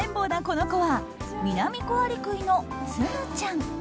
この子はミナミコアリクイの紬ちゃん。